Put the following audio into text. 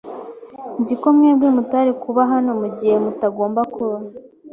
Nzi ko mwebwe mutari kuba hano mugihe mutagomba kuba.